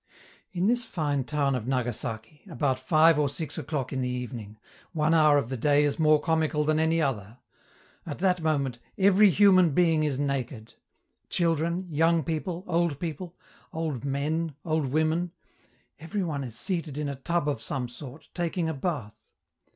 In this fine town of Nagasaki, about five or six o'clock in the evening, one hour of the day is more comical than any other. At that moment every human being is naked: children, young people, old people, old men, old women every one is seated in a tub of some sort, taking a bath.